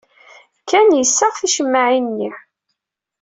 Ken yessaɣ ticemmaɛin-nni.